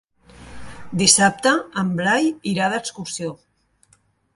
Dissabte en Blai irà d'excursió.